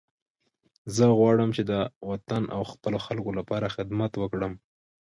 ميرويس خان چيغه کړه! په موږ کې د مړو سپکاوی نشته.